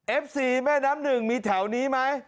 สี่แม่น้ำหนึ่งมีแถวนี้ไหม